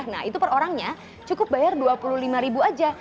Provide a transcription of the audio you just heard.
nah itu per orangnya cukup bayar dua puluh lima ribu aja